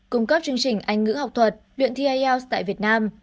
cung cấp chương trình anh ngữ học thuật luyện thi ielts tại việt nam